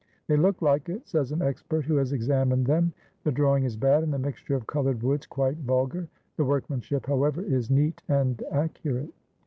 ''They look like it," says an expert who has examined them. "The drawing is bad and the mixture of colored woods quite vulgar. The workmanship, however, is neat and ac curate.